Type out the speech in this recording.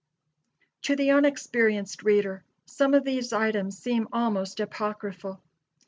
To the unexperienced reader some of these items seem almost apocryphal.